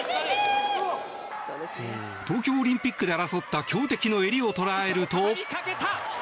東京オリンピックで争った強敵の襟を捉えると。